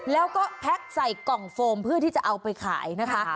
แล้วก็แพ็คใส่กล่องโฟมเพื่อที่จะเอาไปขายนะคะ